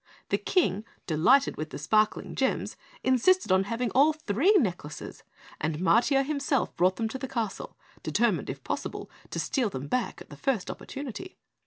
The King, delighted with the sparkling gems, insisted on having all three necklaces, and Matiah himself brought them to the castle, determined, if possible, to steal them back at the first opportunity.